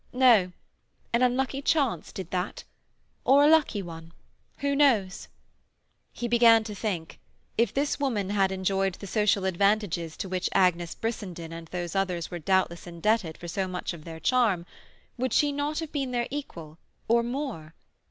"No. An unlucky chance did that. Or a lucky one. Who knows?" He began to think: If this woman had enjoyed the social advantages to which Agnes Brissenden and those others were doubtless indebted for so much of their charm, would she not have been their equal, or more?